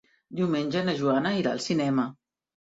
Diumenge na Joana irà al cinema.